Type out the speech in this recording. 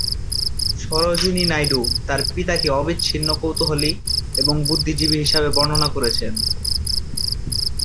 সরোজিনী নাইডু তাঁর পিতাকে অবিচ্ছিন্ন কৌতূহলী এবং বুদ্ধিজীবী হিসাবে বর্ণনা করেছেন।